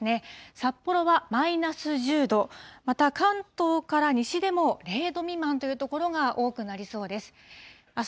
札幌はマイナス１０度、また関東から西でも、０度未満という所が多くなりそうです。